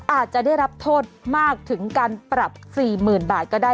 อาจจะได้รับโทษมากถึงการปรับ๔๐๐๐บาทก็ได้